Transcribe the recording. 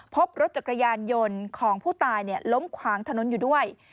พบรถจักรยานยนต์ของผู้ตายล้มขวางถนนอยู่ด้วย